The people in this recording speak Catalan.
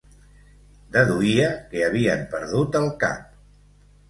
Deduïa que havien perdut el cap.